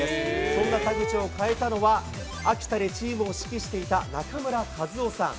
そんな田口を変えたのは、秋田でチームを指揮していた中村和雄さん。